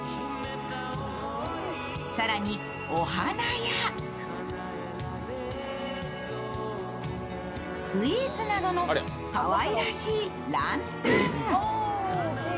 更にお花やスイーツなどのかわいらしいランタン。